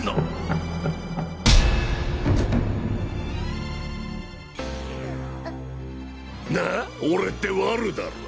現在なっ俺ってワルだろ。